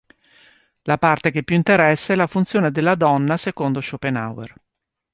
La parte che più interessa è la funzione della donna secondo Schopenhauer.